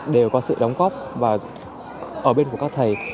đều có sự đóng góp và ở bên của các thầy